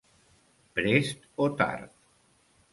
Prest o tard.